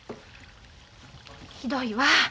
ひどいわ。